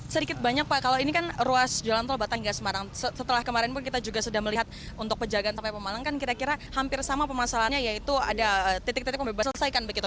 sedikit banyak pak kalau ini kan ruas jalan tol batang hingga semarang setelah kemarin pun kita juga sudah melihat untuk pejagaan sampai pemalang kan kira kira hampir sama pemasalannya yaitu ada titik titik pembebasan selesaikan begitu